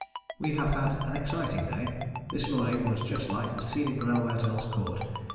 We have had an exciting day this morning was just like the scenic railway at Earl's Court.